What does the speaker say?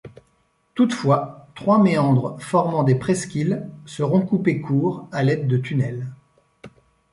Toutefois, trois méandres formant des presqu'îles seront coupés court à l'aide de tunnels.